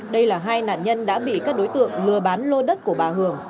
đây là hai nạn nhân đã bị các đối tượng lừa bán lô đất của bà hưởng